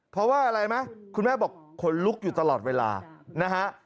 เพราะว่าอะไรไหมคุณแม่บอกขนลุกอยู่ตลอดเวลานะฮะ